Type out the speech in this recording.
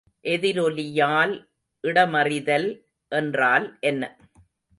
எதிரொலியால் இடமறிதல் என்றால் என்ன?